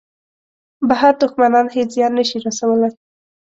بهر دوښمنان هېڅ زیان نه شي رسولای.